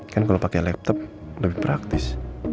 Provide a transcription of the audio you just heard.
kan kalau pakai laptop lebih praktis